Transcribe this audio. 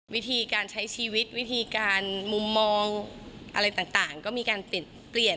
วิธีการใช้ชีวิตวิธีการมุมมองอะไรต่างก็มีการเปลี่ยน